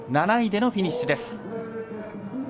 ７位でのフィニッシュです。